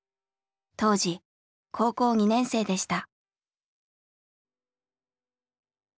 当時高校２年生でした。